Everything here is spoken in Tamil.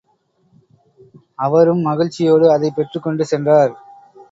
அவரும் மகிழ்ச்சியோடு அதைப் பெற்றுக் கொண்டு சென்றார்.